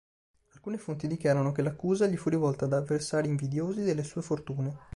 Alcune fonti dichiarano che l'accusa gli fu rivolta da avversari invidiosi delle sue fortune.